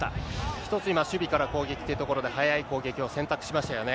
一つ今、守備から攻撃というところで、速い攻撃を選択しましたよね。